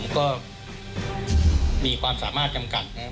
ก็มีความสามารถจำกัดนะครับ